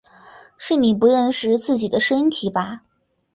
只是你不认识自己的身体吧！